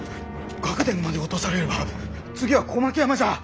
楽田まで落とされれば次は小牧山じゃ！